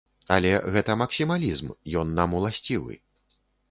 Але гэта максімалізм, ён нам уласцівы.